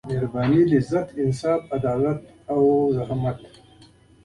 مهربانۍ لذت انصاف عدالت کار او زحمت.